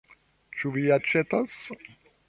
Ĉu vi aĉetos?